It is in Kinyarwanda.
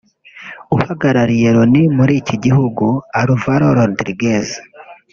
uhagarariye Loni muri icyo gihugu Alvaro Rodriguez